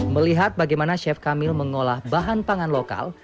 melihat bagaimana chef kamil mengolah bahan pangan lokal